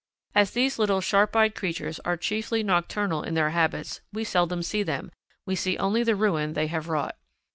As these little sharp eyed creatures are chiefly nocturnal in their habits, we seldom see them; we see only the ruin they have wrought.